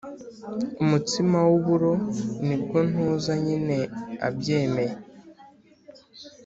umutsima w’uburo. ni bwo ntuza nyine abyemeye,